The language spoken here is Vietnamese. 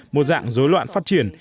một dạng dối loạn phát triển